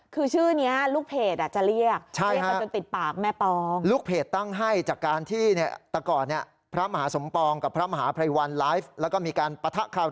คือชื่อนี้ลูกเพจจะเรียก